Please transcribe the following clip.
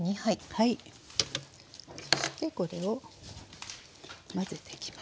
そしてこれを混ぜていきますね。